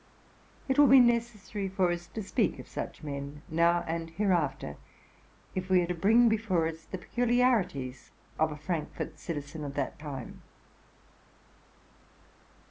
It will be necessary for us to speak of such men, now and hereafter, if we are to bring before us the peculiarities of a Frankfort citizen of that time.